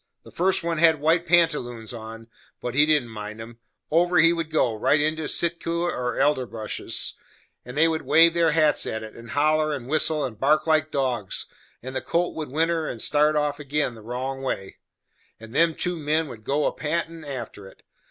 The first one had white pantaloons on, but he didn't mind 'em; over he would go, right into sikuta or elderbushes, and they would wave their hats at it, and holler, and whistle, and bark like dogs, and the colt would whinner and start off again right the wrong way, and them two men would go a pantin' after it.